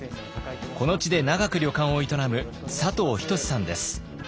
この地で長く旅館を営む佐藤仁さんです。